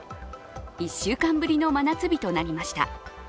１週間ぶりの真夏日となりました。